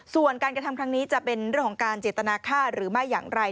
ส่วนการกระทำครั้งนี้จะเป็นเรื่องของการเจตนาค่าหรือไม่อย่างไร